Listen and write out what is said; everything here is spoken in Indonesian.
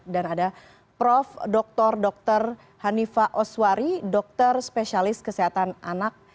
dan ada prof dr dr hanifa oswari dokter spesialis kesehatan anak